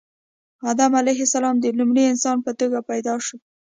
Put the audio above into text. آدم علیه السلام د لومړي انسان په توګه پیدا شو